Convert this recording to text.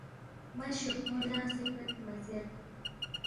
مَہ شوہمو لنگسے گوید مزیر